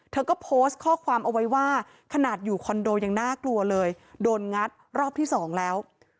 เธอก็โพสต์ข้อความเอาไว้ว่าขนาดอยู่คอนโดยังน่ากลัวเลยโดนงัดรอบที่สองแล้ว